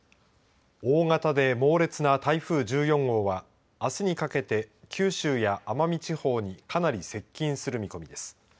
大型で猛烈な台風１４号はあすにかけて九州や奄美地方にかなり接近する見込みです。